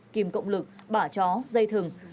kìm cộng lực bả chó dây thừng